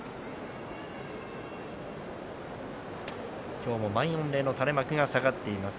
今日も満員御礼の垂れ幕が下がっています。